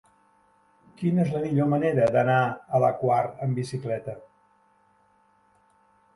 Quina és la millor manera d'anar a la Quar amb bicicleta?